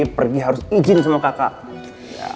pergi harus izin semua kakaknya